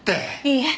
いいえ。